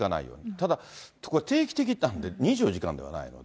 ただ、定期的なんで２４時間ではないので。